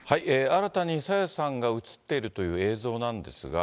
新たに朝芽さんが写っているという映像なんですが。